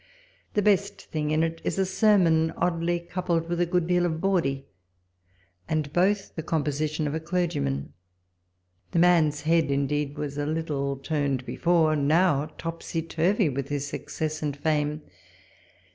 The best thing in it is a Sermon, oddly coupled with a good deal of bawdy, and both the composition of a clergy man. The man's head, indeed, was a little turned before, now topsy turvy with his success and fame.